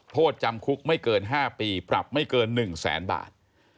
โทษจำคุกไม่เกิน๕ปีปรับไม่เกิน๑แสนบาท